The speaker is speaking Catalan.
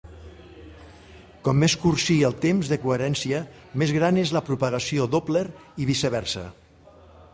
Com més curt sigui el temps de coherència, més gran és la propagació Doppler i viceversa.